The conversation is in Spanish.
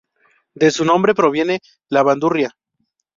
De su nombre proviene la bandurria.